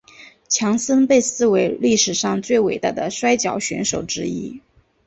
强森被视为史上最伟大的摔角选手之一。